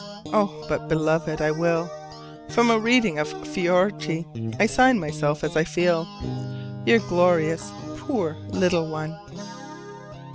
Oh, but, Beloved, I will! From a reading of the Fioretti, I sign myself as I feel. Your glorious poor little one.